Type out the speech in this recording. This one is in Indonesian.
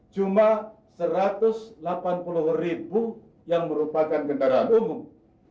cuma satu ratus delapan puluh ribu yang merupakan kendaraan umum